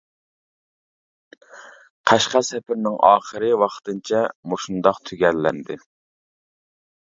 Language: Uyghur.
قەشقەر سەپىرىنىڭ ئاخىرى، ۋاقتىنچە، مۇشۇنداق تۈگەللەندى.